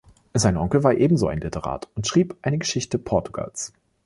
Sein Onkel war ebenso ein Literat und schrieb eine Geschichte Portugals.